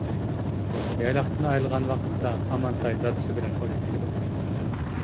يايلاقتىن ئايرىلغان ۋاقىتتا ئامانتاي دادىسى بىلەن خوشلىشىدۇ.